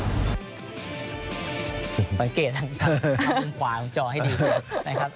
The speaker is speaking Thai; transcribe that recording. สมมุติสังเกษงทะวันขวาทองจอให้ดีนะครับ